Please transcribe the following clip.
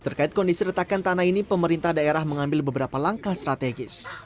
terkait kondisi retakan tanah ini pemerintah daerah mengambil beberapa langkah strategis